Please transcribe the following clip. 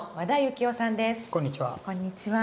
こんにちは。